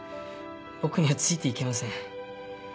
僕にはついていけません。